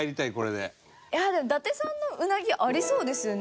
でも伊達さんの「うなぎ」ありそうですよね。